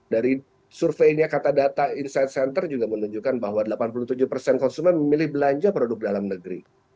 dari surveinya kata data insight center juga menunjukkan bahwa delapan puluh tujuh konsumen memilih belanja produk dalam negeri